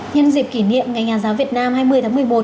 nhân dịp kỷ niệm ngày nhà giáo việt nam hai mươi tháng một mươi một